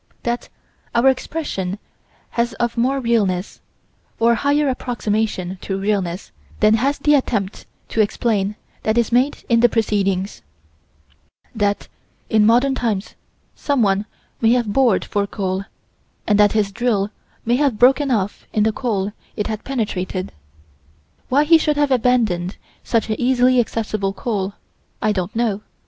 That our expression has more of realness, or higher approximation to realness, than has the attempt to explain that is made in the Proceedings: That in modern times someone may have bored for coal, and that his drill may have broken off in the coal it had penetrated. Why he should have abandoned such easily accessible coal, I don't know.